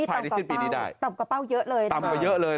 ภายใน๑๐ปีนี้ได้ต่ำกับเป้าเยอะเลยนะครับประวัติต่ำกับเยอะเลย